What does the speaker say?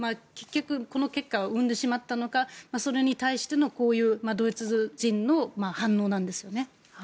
結局、この結果を生んでしまったのかそれに対してのこういうドイツ人の反応なんですよね。